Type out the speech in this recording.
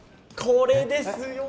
これですよ